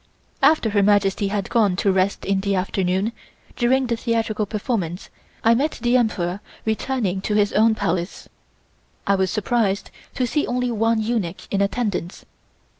After Her Majesty had gone to rest in the afternoon, during the theatrical performance I met the Emperor returning to his own Palace. I was surprised to see only one eunuch in attendance.